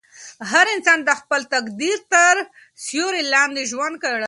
هر انسان د خپل تقدیر تر سیوري لاندې ژوند کوي.